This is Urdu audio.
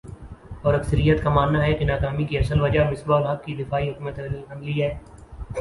اور اکثریت کا ماننا ہے کہ ناکامی کی اصل وجہ مصباح الحق کی دفاعی حکمت عملی ہے